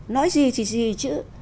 nói gì thì gì chứ